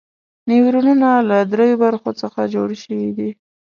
نیورونونه له دریو برخو څخه جوړ شوي دي.